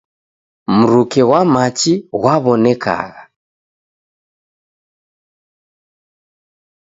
Mruke ghwa machi ghwaw'onekagha.